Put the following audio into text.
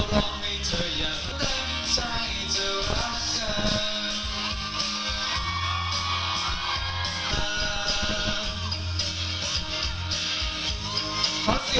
มันมีหลวงคนแต่สุดมากมายที่สูดยกเข้าไป